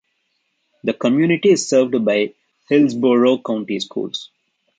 The community is served by Hillsborough County Schools.